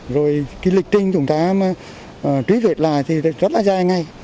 rồi lịch trình chúng ta truy vết là rất dài ngay